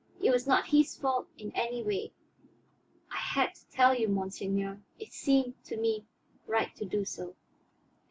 It was not his fault in any way. I had to tell you, monseigneur; it seemed to me right to do so."